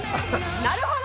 なるほど！